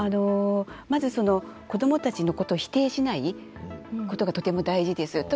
まず、子どもたちのことを否定しないことがとても大事です。